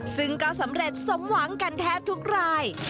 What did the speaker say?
ซึ่งก็สำเร็จสมหวังกันแทบทุกราย